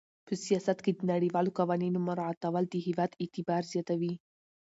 په سیاست کې د نړیوالو قوانینو مراعاتول د هېواد اعتبار زیاتوي.